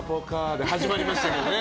で始まりましたけどね。